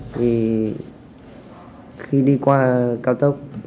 thì khi đi qua lào cao tông lào cai